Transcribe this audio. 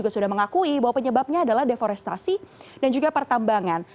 sudah mengakui bahwa penyebabnya adalah deforestasi dan pertambangan